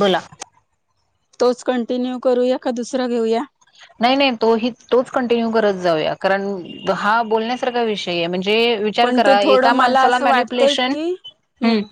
बोला तोच कंटिन्यू करूया का दुसरा घेऊया. नाही नाही तो ही तोच कंटिन्यू करत जाऊया कारण हा बोलण्यासारखा विषय आहे म्हण जे विचार पण ते करा एका थोडं मला माणसाला असं वाटतंय मॅन्यप्युलेशन की ह. हम्म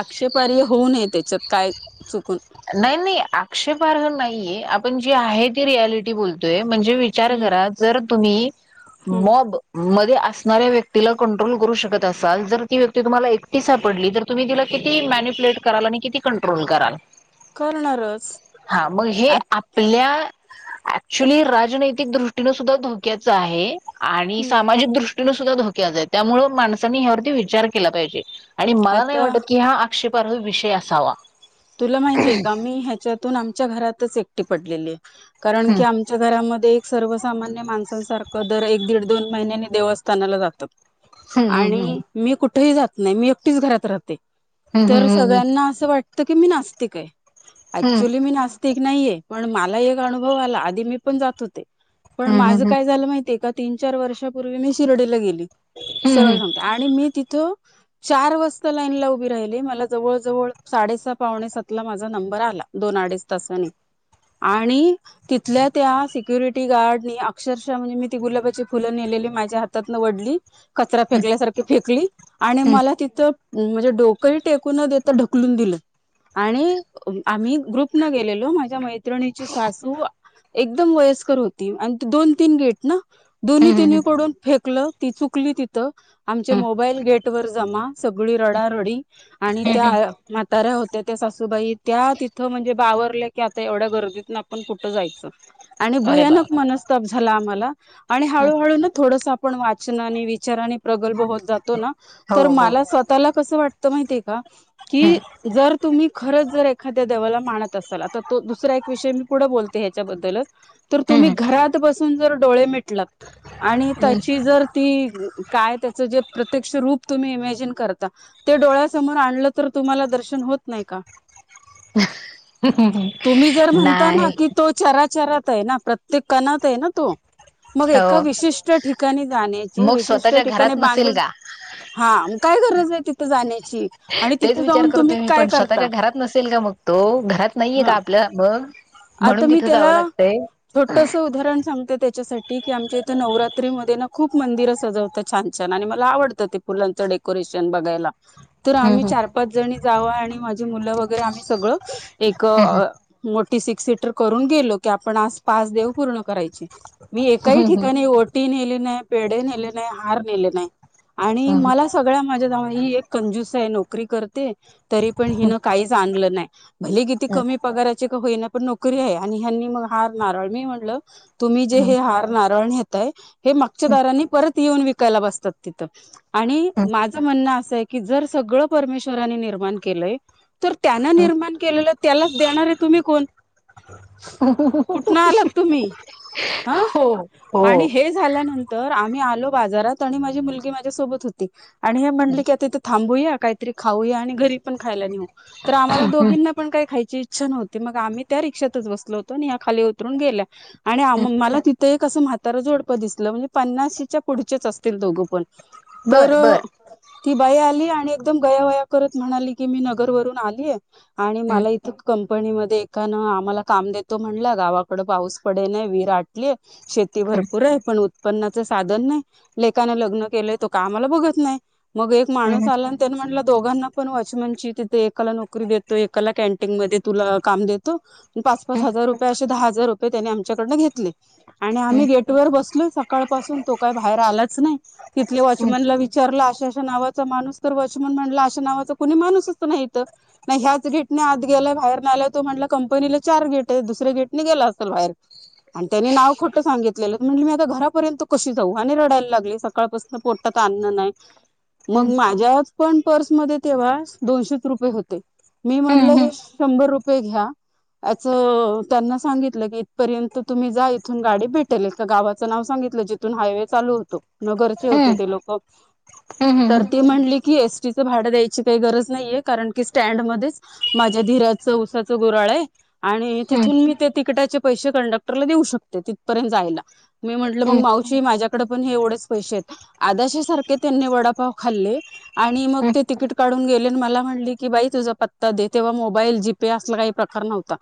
आक्षेपार्य होऊ नये त्याच्यात काय चुकून नाही नाही आक आक्षेपार्ह नाहीये आपण जी आहे ती रियालिटी बोलतोय. म्हणजे विचार हम्म करा जर तुम्ही हम्म मॉब मध मध्ये असणाऱ्या व्यक्तीला कंट्रोल करू शकत असाल जर ती व्यक्ती तुम्हाला एकटी सापडली तर तुम्ही तिला किती मेन्यूप्युलेट कराल आणि किती कंट्रोल कराल. करणारच हा मग हे आ आपल्या ऍक्च्युली राजनैतिक दृष्टीनं सुद्धा धोक्याच आहे आणि हम्म सामाजिक दृष्ट ष्टीने सुद्धा धोक्याच आहे त्यामुळे माणसाने यावरती विचार केला पाहिजे आणि मला नाही आता वाटत की हा आक्षेपार्ह विषय असावा. तुला माहितीये का आम्ही ह्याच्यातून आमच्या घरातच एकटी पडलेली आहे. कारण की हम्म आमच्या घरामध्ये सर्वसामान्य माणसांसारखं दर एक दीड दोन महिन्यानी देवस्थानाला जातात. हम्म आणि मी कुठेही जात नाही मी एकटीच घरात राहत ते हम्म तर हम्म सगळ्यांना असं वाटत की मी नास्तिक आहे अक्चुली मी नास् तिक नाहीेये पण मला एक अनुभव आला आधी मी पण जात होते पण हम्म माझ हम्म काय झालं माहिये का तीन चार वर्षापूर्वी मी शिर्डीला गेली हम्म हम्म सरळ हम्म सांगते आणि मी तिथं चार वाजता लाईन ला उभी राहिली मला जवळ साडेसा पावणेसात ला माझा नंबर आला दोन अडीच तासानी आणि तिथल्या त्या सिक क्युरिटी गार्ड नी अक्षरशः म्हणजे मी ती गुलाबाची फुलं नेलेली माझ्या हातातन वडली कचरा फेकल्यासारखी फेकली आणि हम्म मला तिथं म्हणजे डोकंही टेकूू न देता ढकलून दिलंय. आणि अ आम्ही ग्रुप न गेलेलो माझ्या मैत्रिणीची सासू एकदम वयस्कर होती आणि ते दोन तीन गेट ना दोन्ही हम्म तिन्ही हम्म कडून फेकलं ती चुकली तिथं आमचे हम्म मोबाईल गेट वर जमा सगळी रडारडी आणि त्या हम्म म्हाताऱ्या होत्या त्या त्या सासूबाई त्या तिथं म्हणजे बावरले की आता एवढ्या गर्दीत आपण कुठं जायचं आणि अरे भयानक बापरे मनस्ताप झाला आम्हाला आणि हळूहळू ना थोडस वाचना आणि विचार प्रगल्भ होत जातो ना हो तर हो मला स्वतःला कस वाट कस होत माहित आहे हम्म का जर तुम्ही खरच जर एखाद्या देवाला मानत असाल आता तो दुसरा एक विषय मी पुढे बोलते हेच्याबदलंच तर तुम्ही हम्म घरात बस तुम्ही जर डोळे मिटलात आणि त्याची जर ती काय तेच जे प्रत्यक्ष रूप तुम्ही इमेजिन करता ते डोळ्यासमोर आणलं तर तुम्हाला दर्शन होत नाही का हम्म तुम्ही जर म्हणता ना नाही की तो चरा विचारात आहे ना प्रत्येक कानात आहे ना तो मग एका हो विशिष्ट ठिकाणी जाण्याची मग विशिष्ट स्वतःच्या ठिकाणी घरात नसेल बांधून का हा काय गरज आहे तिथं जाण्याची आणि तेच तिथे विचार जाऊन तुम्ही करतोय मी काय पण करता स्वतःच्या घरात नसेल का मग तो घरात नाहीये हा का आपलं मग आता म्हणून मी तिथं त्याला जावं लागतंय छोटस उदाहरण सांगते त्याच्यासाठी की आमच्या इथं नवरात्री मध्ये ना खूप मंदिरं सजवतं छान छान आणि मला आवडतं ते फुलांच डेकोरेशन बघायला. तर आम्ही हम्म चार पाच जणी जावा आणि माझी मुलं वगैरे आम्ही सगळं एक हम्म मोठी सिक्स सीटर करून गेलो की आपण आज पास देऊ पूर्ण करायची. मी एकाही हम्म ठिकाणी ओटी नेली नाही, पेढ नेले नाही, हार नेले नाही आणि हम्म मला सगळ्या माझ्या ही एक कंजूस आहे नोकरी करते, तरी पण हिन काहीच आणलं नाही भले किती कमी पगाराची होईना पण नोकरी आहे आणि हनी मग हार नारळ मी म्हणलं तुम्ही जे हम्म हे हार नारळ नेताय हे मागच्या दाराने परत येऊन विकायला बसतात, तिथं आणि माझं म्हणणं असं आहे जर जर सगळ परमेश्रानी निर्माण केलंय तर त्यान हम्म निर्माण केलेलं त्यालाच देणार तुम्ही कोण? हो हो हो हो कुठनं आलात तुम्ही ह हो आणि हे झाल्यानंतर, तर आम्ही आलो बाजारात आणि माझी मुलगी माझ्यासोबत होती, आणि हे म्हणली की आ तिथे थांबूया काहीतरी खाऊया आणि घरी पण खायला नेऊ तर आम्हा दोघींना पण काही खयची इच्छा नव्हती मग आम्ही त्या रिक्षातच बसलो होतो आणि या खाली उतरून गेल्या आणि मला तिथ एक म्हातारा दिस म्हणजे पन्नाच्या पुढच असतील दोघ पण तर बर बर ती बाय आली आणि एकदम गया वया करत म्हणाली की मी नगरवरून आलीय आणि मला इथं कम कपंनी मध्ये एकां आम्हाला काम देतो म्हण गावाकड पाऊस पडे नाही विहीर आटली ये भरपूर आहे पण उत्पन्नाच साधन नाही लेकाने लग्न केलंय त कामला बघत नाही मग माणूस आला आणि त्यान म्हटला दोघांना पण वॉचमन ची तिथे एकाला नोकरी देतो, एकाला कॅनटीन मध्ये तु ला काम देतो, पाच पाच हजार रुपये असे दहा हजार रुपये त्यांनी आमच्याकड घेतले आणि आम् आम्ही गेट वर बसलोय सकाळ पासून बाहेर आलाच नाही. तिथल्या वाचमन ला विचारलं अशा अशा माणूस तर वाचमन म्हंटला अशा नावाचा कोणी माणूच नाही इथं ह्याच घेटने आत गेल्या बाहेर आला तो म्हटला कंपनीला चार गेट आहे दुसऱ्या गेटने गेला असेल बाहेर आणि त्यांनी नाव खोटं सांगितलेलं म्हण मी आता घरापर्यंत कशी जाऊ, आणि रडायला लागली सकाळपासून पोटात अन्न नाही, मग माझ्याच पण पर्समध्येध्ये तेव्हा दोनशे रुपये होते मी म्हटलं हे शंभर रुपये घ्या. असचं त्यांना सांगितलं की इथपर्यंत तुम्ही जा इथून गाडी भेटेल का गावाचं नाव सांग जिथून हायवे चालू होतो, नरचे होते ते लोक तर ती म्हणली की एसटीच भाडं द्यायची काही गरज नाहीये, कारण की स्टडमध्येच माझ्या धरा चौसाच गोराळ आहे आणि तिथून मी ते तिकिटाचे पैसे कंडक्टरला देऊ शकते तिथपर्यंत मी म्हटल मावशी माझ्याकडे पण हे एवढेच पैसे आहेत आदश्या सारखे त्यां वडपा खाले आणि मग तिकीट काढून गे मला म्हणले की बाई तुझा पता दे तेंव्हा मोबाईल जीप ते असलं काही प्रकार नव्हता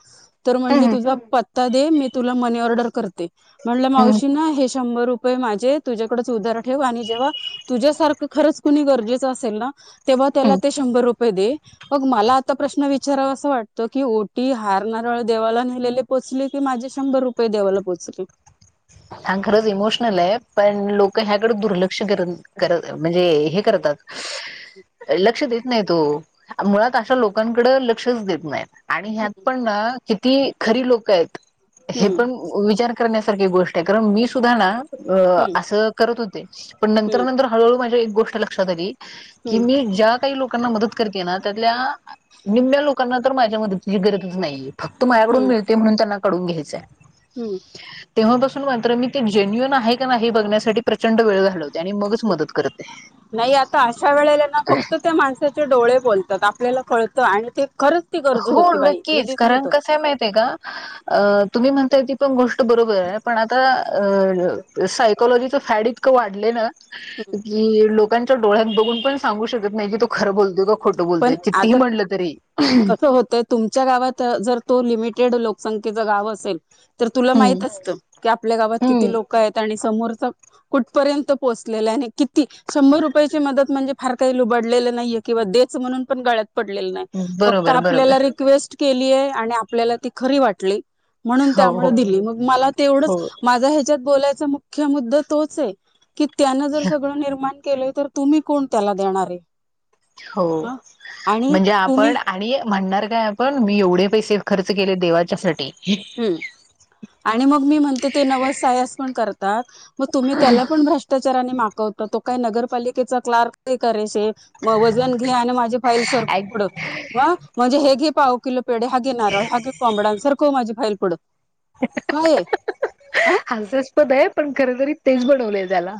तर म्हंटली तुझा पता दे मी तुला मनी ऑर्डर करते, म्हणल मावशी ना. हे शंभर रुपये माझे तुझ्याकडच उधार ठेव आणि जेव्हा तूझ्या सारखं खरंच कोणी गरजेचं आसेल ना तेव्हा त्याला ते शंभर रुपये दे मग मला आता प्रश्न विचारावसा वाटोय की की ओटी, हार, नारळ देवाला नेलेले पोचले की माझे शंभर रुपये देवाला पोचले? आन खरच इमोशनल आहे. पण लोक लोक या कडे दुर्लक्ष कर करत म्हणजे हे करतात लक्ष देत नाहीत ओ मुळात अशा लोकांकडे लक्षच देत नाही आणि ह्यात पण ना किती खरी लोक आहेत. हे हम्म पण विचार करण्यासारखी गोष्ट आहे कारण मी सुद्धा ना अ हम्म असं करत होते. पण नंतर हम्म नंतर हळूहळू माझ्या एक गोष्ट लक्षात आली. कि हम्म मी ज्या काही लोकांना मदत करतेय ना त्यातल्या निम्म्या लोकांना तर माझ्या मदतची गरजच नाही, फक्त माझ्याकडून मिळतय म्हणून त्यांना माझ्या कडून घ्यायचंय आहे. हम मी मात्र मी ते जेन्युन आहे का नाही बघण्यासाठी प्रचंड वेळ घालवते. आणि मगच मदत करते. नाही आता अशा वेळेला ना फक्त त्या माणसाचे डोळे बोलतात. आपल्याला कळतं आणि ते खरंच ती गरज हो होती बाई म्हणजे नक्कीच दिसत कारण होतं कस माहित आहे का तुम्ही म्हणताय ती पण गोष्ट बरोबर आहे. पण आता सायकॉलॉजिच फॅड इतकं वाढलंय ना की लोकांच्या डोळ्यात बघून पण सांगू शकत नाही कि तो खरं बोलतोय का खोट खोटं पण बोलतोय. कितीही आता म्हणलं तरी कसं होतं तुमच्या गावात अ जर तो लिमिटेड लोक संख्येचं गाव असेल. तर तुला हं. माहित असतं की आपल्या गावात किती हं. लोक आहेत. आणि संख्या समोरचा कुठ पर्यंत पोचलेला आहे आणि किती शंभर रुपयाची मदत म्हणजे फार काय लुबाडलेल लुबाडलेल नाहीये. किंवा देच म्हणून पण गळ्यात पडलेलं नाही. फक्त बरोबर, बरोबर. आपल्याला रिक्वेस्ट केलीय आणि आपल्याला ती खरी वाटली. म्हणून हो, त्यामुळे दिली. मग मला तेवढंच हो, माझा ह्यच्यात. बोलाचा मुख्य मुद्दा तोच आहे. की त्यांन जर हो, सगळं निर्माण केलय तर तुम्ही कोण त्याला देणारे हो म्हणजे आपण आणि म्हणणार पण मी एवढे पैसे खर्च केले देवाच्यासाठी. हम आणि मग मी म्हणते ते नवस सायास पण करता मग तुम्ही त्याला पण भ्रष्टाचार आणि मागणी [inaudible] तो काय नगरपालिकेचा क्लार्क नाही करायचाय. म वजन घे आणि माझी फाईल सारखव ॲक पुढ मग म्हणजे हे घे पाव किलो पेडे हा घे नारळ हा घे कोंबडां आणि सारखव माझी फईल पुढ आ हास्यास्पद आहे पण खरतरी तेच बनवलय त्याला.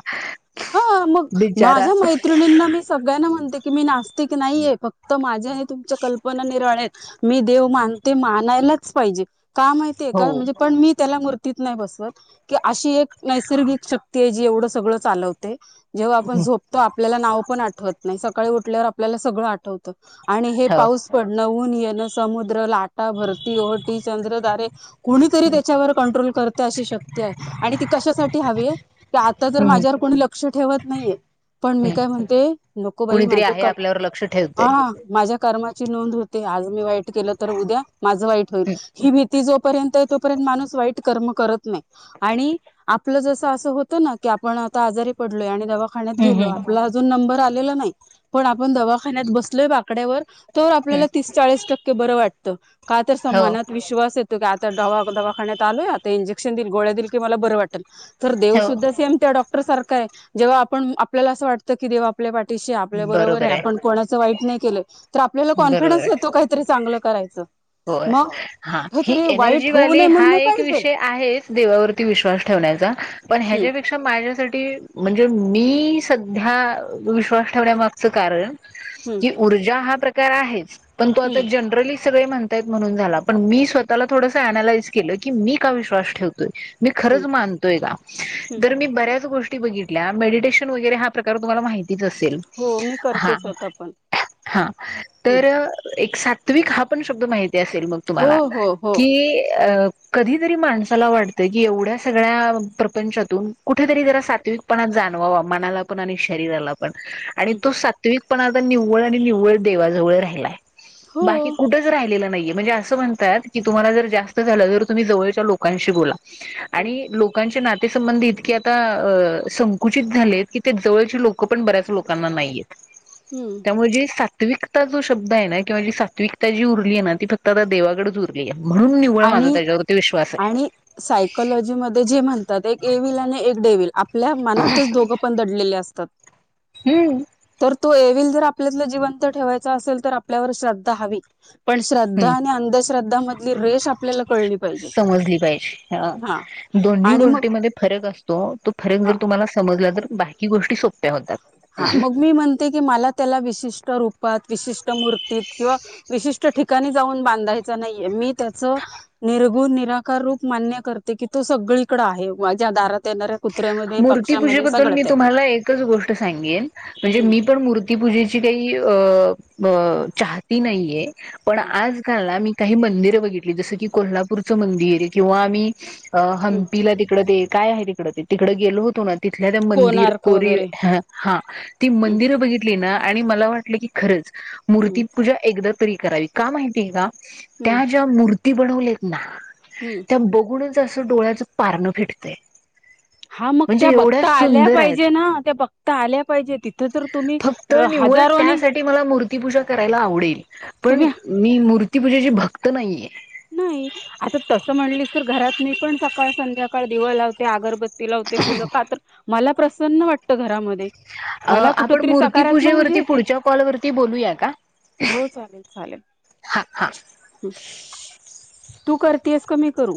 ह मग बिचारा. माझ्या मैत्रिणींना मी सगळ्यांना म्हणते की मी नास्तिक नाहीये फक्त माझ्या आणि तुमच्या कल्पना निराळ्या आहेत मी देव मानते मानायलाच पाहिजे. का माहितीय हो. का म्हणजे. पण मी त्याला मूर्तीत नाही बसवत. की अशी एक नैसर्गिक शक्ती आहे जी एवढं सगळं चालवते. जेव्हा आपण हं. झोपतो आपल्याला नाव पण आठवत नाही. सकाळी उठल्यावर आपल्याला सगळं आठवतं. आणि हे हो. पाऊस पडणं ऊन ऊन येणे समुद्र, लाटा, भरती, ओहटी, चंद्र, तारे कुणीतरी त्यावर कंट्रोल करत गुप्त अशी शक्ती आहे आणि ती कशासाठी हवी आहे की आता जर हं. माझ्यावर कोणी लक्ष ठेवत नाहीये. तर पण मी हम्म. काय म्हणते नको बाई कुणीतरी माझ्या आहे कर आपल्यावर लक्ष ठेवतय. हा माझ्या कर्माची कर्माची नोंद होते आज मी वाई केलं तर उद्या माझ वाईट होईल. ही भीती भीती जोपर्यंत आहे तोपर्यंत माणूस वाईट कर्म करत नाही आणि आपलं जस अस होत ना की आपण आता आजारी पडलोय आणि दवाखान्यात हम्म गेलो हम्म. आपला अजून नंबर आला आलेला नाही. पण आपण दवाखान्यात बसलोय बाकड्यावर तर हम्म. आपल्याला तीस चाळीस टक्के टक्के बर वाटत. का तसं हो. मनात विश्वास येतो आता दवाखान्यात आलोय आता इंजेक्शन देइल गोळ्या देइल की मला बरं वाटेल तर देव हो. सुद्धा सेम त्या डॉक्टर सारखा आहे जेव्हा आपण आपल्याला असं वाटतं की देव आपल्या पाठीशी शी आपल्या बरोबर आहे आपण कोणाचं वाईट नाही केलं.. तर आपल्याला कॉन्फिडन्स येतो काहीतरी चांगलं करायचं... हो. मग हा ही कुठेतरी वाईट होऊ एनर्जीवाली नये हा म्हणून हे एक पाहिजे विषय आहेच देवावरती विश्वास ठेवण्याचा. पण हम्म ह्याच्यापेक्षा माझ्या.. म्हणजे मी सध्या विश्वास ठेवण्यामागच कारण. हम्म क ऊर्जा हा प्रकार आहे. पण तो आ हम्म जनरली सगळे म्हण.. म्हणून झाला पण मी स्वतःला थोडस अनलाइज केलं की मी का विश्स ठेव.. मी हम्म खरंच मानतोय का हम्म तर मी बऱ्याच गोष्टी.. बघित मेडिेशन वगैरे हा प्रकार तुम्हाला माहिती.. हो मी करते स्वतः पण हम्म. तुम्ही हा पण शब्द माहिती असेल मग हो तुम्हाला हो हो कि अ... कधीतरी माणसाला वाटतं की एवढ्या सगळ्या प्रपंचातून कुठेतरी जरा सातविकपणा... जाणवा मनाला पण आणि शरीराला. पण आणि हम्म. तो सात्विकपणाता निव्वळ आणि निव्वळ देवाजवळ राहिलाय. हो बाकी कुठे.. नाही म्हणजे अस म्हणतात क तुम्हा जर जास् झा ज तुम्ही जवळच्या लोकांशी बो.. आणि लोकांच्या नाते... ते संबंधी इतके आता संकुचित झालेत, की ते जवळची लोकं पण बऱ्याच लोकांना नाहीयेत.. हम्म त्यामुळे जे सात्विकता जो शब्द आहे ना किंवा जी सात्विक.. त्या जी उरली आहे ना ती फक्त आता देवाकडच उरली आहे. निवळ माझ आणि त्याच्या... आणि सायकलॉजी मध्ये जे म्हणतात एक ए विल आणि एक डेविल. आपल्या मनातच दोघं पण दडलेले असतात. हम्म. तर तो येल जर आपल्यातला जिवंत ठेवायचा असेल तर आपल्यावर श्रद्धा हवी. पण श्रद्धा हम्म आणि अंधश्रद्धा मधली रेश आपल्याला कळली.. पाहिजे समजली पाहिजे हा दोन्ही आणि मग गोष्टीमध्ये फरक असतो तो फरक हा जर तुम्हाला. समजलं तर बाकी गोष्टी सोप्या होतात. हा मग मी म्हणते की मला त्याला विशिष्ट रूप.. विशिष्ट मूर्तीत किंवा विशिष्ट ठिकाणी जाऊन बांधायच नाहीये मी त्याच.. निर्गुण निराकार रूप मान्य करते कि तो सगळीकड आहे. माझ्या दारात. येणाऱ्या कुत्र्यामध्ये पक्षामध्ये मूर्तीपूजेबद्दल मी सगळ्यात आहे. तुम्हाला एकच गोष्ट. सांगे म्हणजे हम्म मी पण मूर्तीपूजेची काही. अ हती नाहीये पण हम्म आज म काही मंद... ज की कोल्हापूरच मंदिर किंवा आम्ही हम्म. हंपीला तिकड... काय आहे तिकडं ते तिकडं गेलो होतो ना. तिथल्या त्या मंदिर कोणार्क कोरी वगैरे हा ती हम्म मंदिरं बघितली ना, आणि मला वाटलं की खरंच हम्म मूर्तीपूजा एकदा तरी करावी का माहिती आहे का... हम्म त्या ज्या मूर्ती बनवलेत ना हम्म त्या बघूनच. अस डोळ्याच पारनं भेटते. हा मग त्या बघता आल्या पाहिजे ना त्या बघता आल्या पाहिजे तिथं जर तुम्ही. फक्त हजारोने त्यासाठी म मूजा कराला आव पण. तुम्ही ति पूजेची भक्त नाहीये. नाही आता तस म्हणली तर घरात मी पण सकाळ संध्याकाळ दिव लावते. आगरब. ला होते फुलं का तर मला प्रसन्न वाटतं घरामध्ये. अ मला आपण कुठतरी मूर्ती सकारात्मक ऊर्जा पूजेवरती येते पुढच्या कॉलवररती बोलूया का. हो चालेल चालेल. हा हा. तू करतेस कमी करू.